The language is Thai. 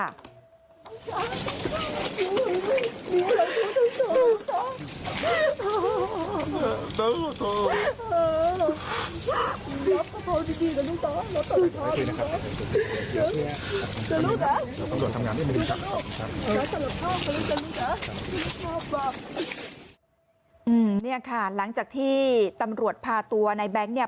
เนี่ยค่ะหลังจากที่ตำรวจพาตัวในแบงค์เนี่ย